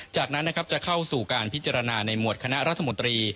จากนั้นนะครับจะเข้าสู่การพิจารณาในหมวดคณะรัฐมนตรี